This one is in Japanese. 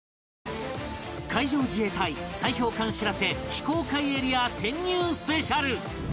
海上自衛隊砕氷艦「しらせ」非公開エリア潜入スペシャル